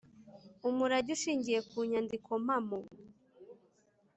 umurage ushingiye ku nyandiko mpamo